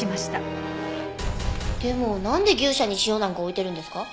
でもなんで牛舎に塩なんか置いてるんですか？